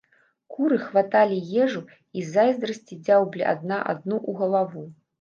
Куры хваталі ежу і з зайздрасцю дзяўблі адна адну ў галаву.